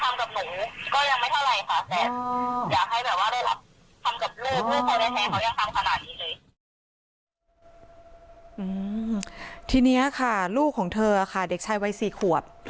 ทีนี้ค่ะลูกของเธอค่ะเด็กชายวัย๔ขวบ